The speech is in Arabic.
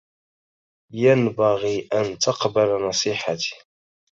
ينبغي ان تقبل نصيحتي